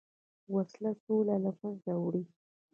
وسله سوله له منځه وړي